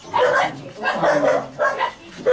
ขอบคุณครับ